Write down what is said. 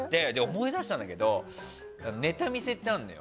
思い出したんですけどネタ見せってあるのよ